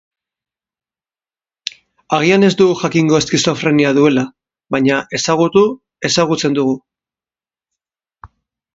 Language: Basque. Agian ez dugu jakingo eskizofrenia duela, baina, ezagutu, ezagutzen dugu.